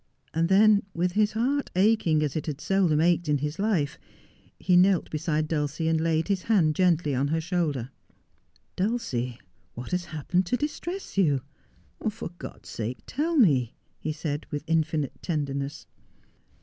And then, with his heart aching as it had seldom ached in his life, he knelt beside Dulcie and laid his hand gently on her shoulder. ' Dulcie, what has happened to distress you 1 For God's sake tell me,' he said, with infinite tenderness.